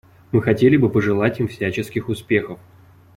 Мы хотели бы пожелать им всяческих успехов.